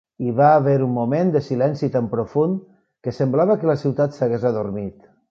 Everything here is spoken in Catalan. Hi va haver un moment de silenci tan profund que semblava que la ciutat s'hagués adormit.